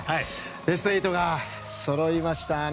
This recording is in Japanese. ベスト８がそろいましたね。